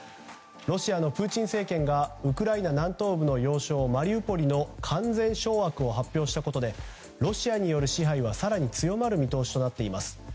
ロシアのプーチン政権がウクライナ南東部の要衝マリウポリの完全掌握を発表したことでロシアによる支配は更に強まる見通しとなっています。